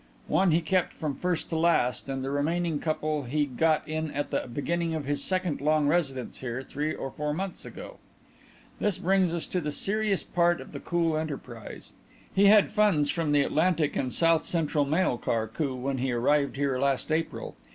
One he kept from first to last, and the remaining couple he got in at the beginning of his second long residence here, three or four months ago. "This brings us to the serious part of the cool enterprise. He had funds from the Atlantic and South Central Mail car coup when he arrived here last April.